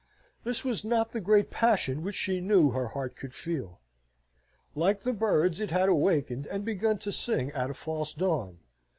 This was not the great passion which she knew her heart could feel. Like the birds, it had wakened and begun to sing at a false dawn.